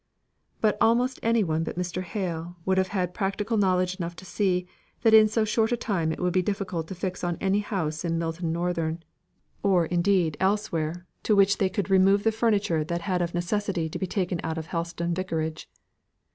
But almost any one but Mr. Hale would have had practical knowledge enough to see, that in so short a time it would be difficult to fix on any house in Milton Northern, or indeed elsewhere, to which they could remove the furniture that had of necessity been taken out of Helstone Vicarage.